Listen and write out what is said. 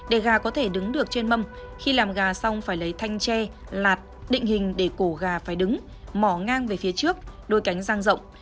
để gà có thể đứng được trên mâm khi làm gà xong phải lấy thanh tre lạt định hình để cổ gà phải đứng mỏ ngang về phía trước đôi cánh giang rộng